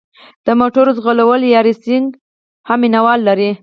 د موټرو ځغلول یا ریسینګ هم مینه وال لري.